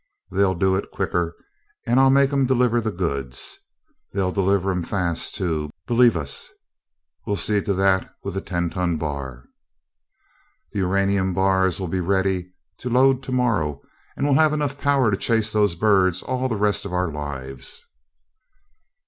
They'll do it quicker, and I'll make 'em deliver the goods. They'll deliver 'em fast, too, believe us we'll see to that with a ten ton bar. The uranium bars'll be ready to load tomorrow, and we'll have enough power to chase those birds all the rest of our lives!"